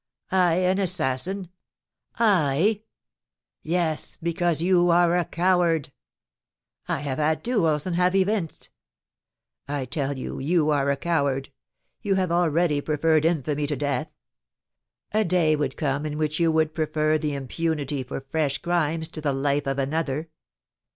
"I an assassin? I?" "Yes, because you are a coward!" "I have had duels, and have evinced " "I tell you, you are a coward! You have already preferred infamy to death. A day would come in which you would prefer the impunity for fresh crimes to the life of another.